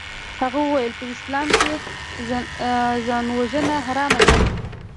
هغه وويل په اسلام کښې ځانوژنه حرامه ده.